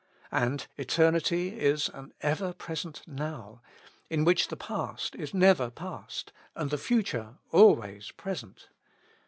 And Eternity is an ever present Now, in which the past is never past, and the future always present.